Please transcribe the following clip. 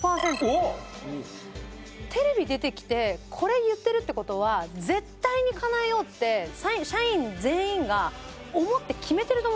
おっ！テレビ出てきてこれ言ってるって事は絶対にかなえようって社員全員が思って決めてると思うんですよ。